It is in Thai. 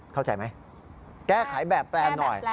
เข้าใจไหมแก้ไขแบบแปลนหน่อย